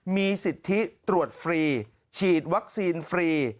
มีสิทธิตรวจฟรีฉีดวัคซีนฟรี